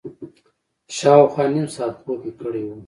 شاوخوا نیم ساعت خوب مې کړی و.